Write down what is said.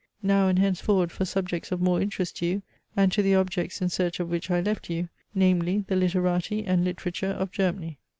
Now and henceforward for subjects of more interest to you, and to the objects in search of which I left you: namely, the literati and literature of Germany.